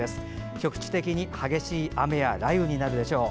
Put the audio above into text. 局地的には激しい雨や雷雨になるでしょう。